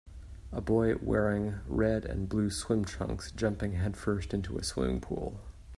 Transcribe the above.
A boy wearing red and blue swim trunks jumping headfirst into a swimming pool.